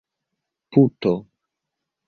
puto